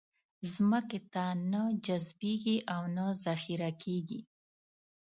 ځمکې ته نه جذبېږي او نه ذخېره کېږي.